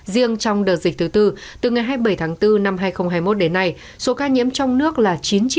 riêng trong đợt dịch thứ tư từ ngày hai mươi bảy tháng bốn năm hai nghìn hai mươi một đến nay số ca nhiễm trong nước là chín tám trăm một mươi năm trăm một mươi